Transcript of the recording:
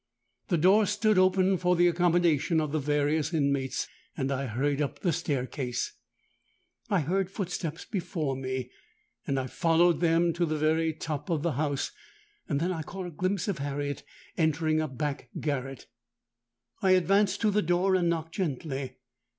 The door stood open for the accommodation of the various inmates; and I hurried up the staircase. I heard footsteps before me—and I followed them to the very top of the house: then I caught a glimpse of Harriet entering a back garret. I advanced to the door, and knocked gently.